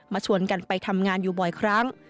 ชวนกันไปทำงานอยู่บ่อยครั้ง